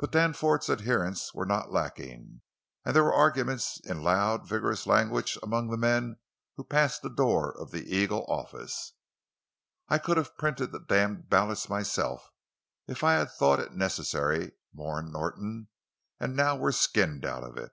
But Danforth's adherents were not lacking; and there were arguments in loud, vigorous language among men who passed the door of the Eagle office. "I could have printed the damned ballots, myself—if I had thought it necessary," mourned Norton. "And now we're skinned out of it!"